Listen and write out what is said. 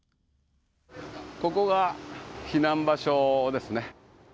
ここが避難場所ですね。